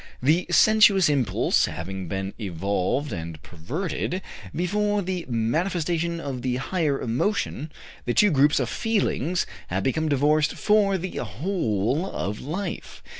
The sensuous impulse having been evolved and perverted before the manifestation of the higher emotion, the two groups of feelings have become divorced for the whole of life.